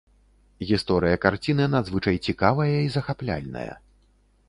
Гісторыя карціны надзвычай цікавая і захапляльная.